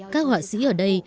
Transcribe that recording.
các họa sĩ ở đây